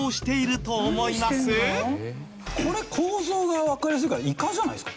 構造がわかりやすいからイカじゃないですか？